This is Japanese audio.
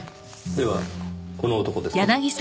ではこの男ですか？